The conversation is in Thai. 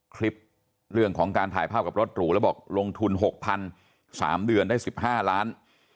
คลิปเรื่องของการถ่ายภาพกับรถหรูแล้วบอกลงทุน๖๐๐๓เดือนได้๑๕ล้าน